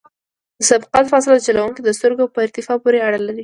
د سبقت فاصله د چلوونکي د سترګو په ارتفاع پورې اړه لري